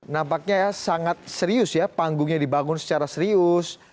nampaknya ya sangat serius ya panggungnya dibangun secara serius